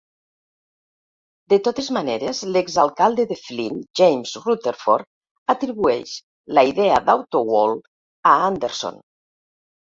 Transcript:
De totes maneres, l'exalcalde de Flint, James Rutherford, atribueix la idea d'AutoWorld a Anderson.